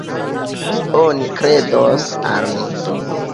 Oni kredos al mi.